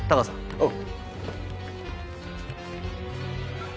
おう。